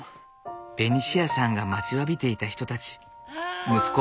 ベニシアさんが待ちわびていた人たち息子